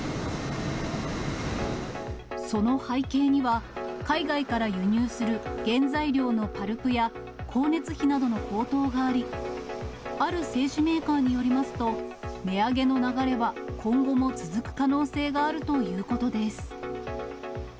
その背景には、海外から輸入する原材料のパルプや光熱費などの高騰があり、ある製紙メーカーによりますと、値上げの流れは今後も続く可能性があるということです。